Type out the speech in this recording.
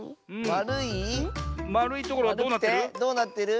まるいところはどうなってる？